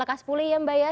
lekas pulih ya mbak ya